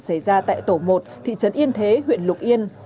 xảy ra tại tổ một thị trấn yên thế huyện lục yên